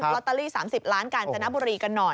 ลอตเตอรี่๓๐ล้านกาญจนบุรีกันหน่อย